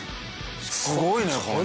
すごいねこの人。